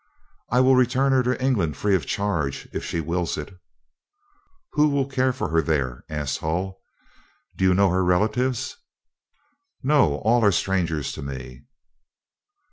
"I will return her to England free of charge, if she wills it." "Who will care for her there?" asked Hull. "Do you know her relatives?" "No; all are strangers to me."